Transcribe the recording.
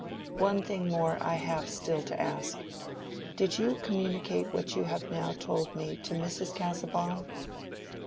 "One thing more I have still to ask: did you communicate what you have now told me to Mrs. Casaubon?"